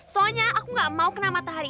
soalnya aku gak mau kena matahari